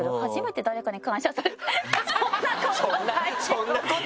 そんなことない。